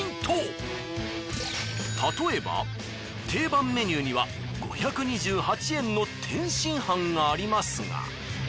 例えば定番メニューには５２８円の天津飯がありますが。